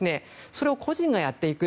それを個人がやっていく。